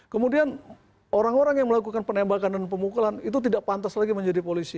kemudian orang orang yang melakukan penembakan dan pemukulan itu tidak pantas lagi menjadi polisi